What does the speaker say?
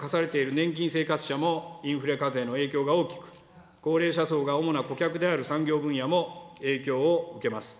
年金生活者もインフレ課税の影響が大きく、高齢者層が主な顧客である産業分野も影響を受けます。